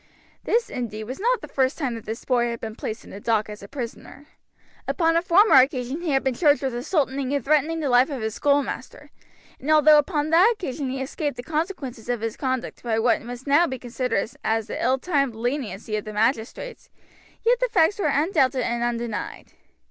This indeed, was not the first time that this boy had been placed in the dock as a prisoner. Upon a former occasion he had been charged with assaulting and threatening the life of his schoolmaster, and although upon that occasion he had escaped the consequences of his conduct by what must now be considered as the ill timed leniency of the magistrates, yet the facts were undoubted and undenied.